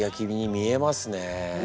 見えますか？